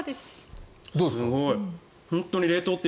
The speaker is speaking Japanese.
すごい。